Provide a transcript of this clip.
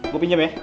gue pinjam ya